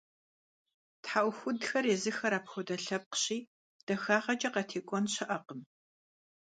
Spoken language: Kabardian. ТхьэӀухудхэр езыхэр апхуэдэ лъэпкъщи, дахагъэкӀэ къатекӀуэн щыӀэкъым.